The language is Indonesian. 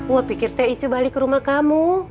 wah pikir teh itu balik ke rumah kamu